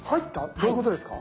どういうことですか？